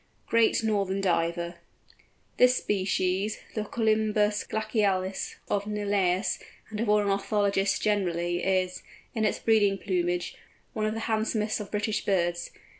GREAT NORTHERN DIVER. This species, the Colymbus glacialis of Linnæus and of ornithologists generally, is, in its breeding plumage, one of the handsomest of British birds.